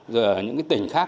rồi ở những tỉnh khác